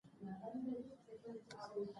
هغه په آرامه خوب ویده شو.